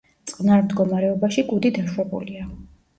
წყნარ მდგომარეობაში კუდი დაშვებულია.